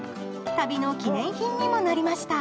旅の記念品にもなりました。